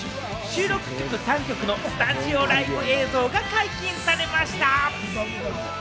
収録曲３曲のスタジオライブ映像が解禁されました。